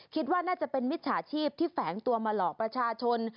คิดว่าน่าจะเป็นมิจฉาชีพที่แฝงตัวมาหลอกประชาชน